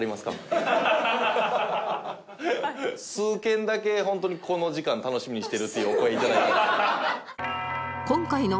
数件だけホントにこの時間楽しみにしてるというお声頂いたんですけど。